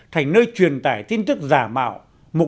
thành nơi truyền tải tin tức giả mạo